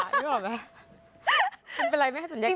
มันเป็นไรไหมสัญลักษณ์อย่างไร